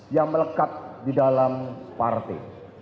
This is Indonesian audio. yang melekat di dalam partai